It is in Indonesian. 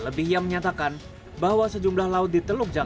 terlebih yang menyatakan bahwa sejumlah laut di teluk